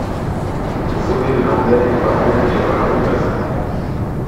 Le sommet de l'emblème est orné d'une étoile rouge à cinq branches.